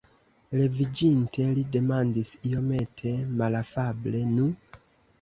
Leviĝinte li demandis iomete malafable: "Nu?"